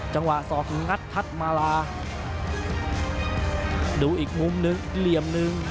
สอกงัดทัศน์มาลาดูอีกมุมหนึ่งอีกเหลี่ยมหนึ่ง